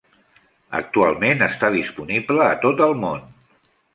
Actualment està disponible a tot el món.